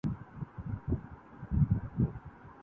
کیونکہ اس شخص نے گرمی